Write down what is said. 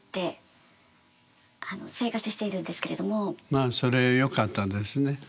まあそれはよかったですねはい。